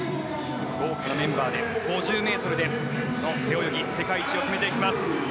豪華なメンバーで５０ｍ背泳ぎ世界一を決めていきます。